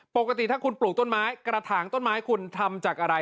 ปกติถ้าคุณปลูกต้นไม้กระถางต้นไม้คุณทำจากอะไร